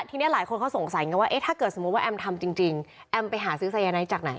ทีนี้หลายคนเขาสงสัยว่าถ้าสมมุติแอมทำจริงแอมไปหาซื้อสายแย่น้ำไอ้จากไหน